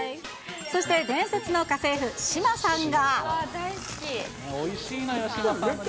そして伝説の家政婦、志麻さんが。